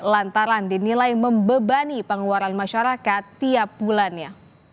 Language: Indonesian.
lantaran dinilai membebani pengeluaran masyarakat tiap bulannya